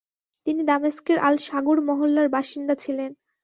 তিনি দামেস্কের আল-শাগুর মহল্লার বাসিন্দা ছিলেন।